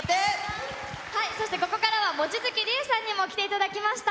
そしてここからは、望月理恵さんにも来ていただきました。